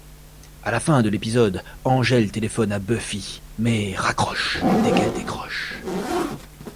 À la fin de l'épisode, Angel téléphone à Buffy mais raccroche dès qu'elle décroche.